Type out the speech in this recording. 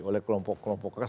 oleh kelompok kelompok keras